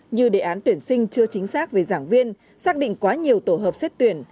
như đề án tuyển sinh chưa chính xác về giảng viên xác định quá nhiều tổ hợp xét tuyển